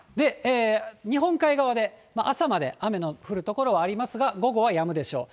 日本海側で朝まで雨の降る所はありますが、午後はやむでしょう。